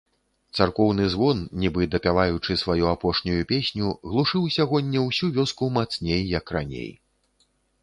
Царкоўны звон, нібы дапяваючы сваю апошнюю песню, глушыў сягоння ўсю вёску мацней, як раней.